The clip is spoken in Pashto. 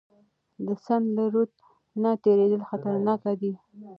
د سند له رود نه تیریدل خطرناک دي.